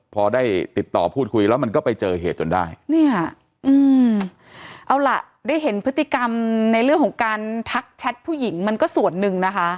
พอได้ติดต่อพูดคุยแล้วมันก็ไปเจอเหตุจนได้เนี่ยอืมเอาล่ะได้เห็นพฤติกรรมในเรื่องของการทักแชทผู้หญิงมันก็ส่วนหนึ่งนะคะ